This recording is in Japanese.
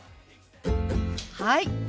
はい！